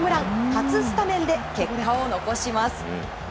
初スタメンで結果を残します。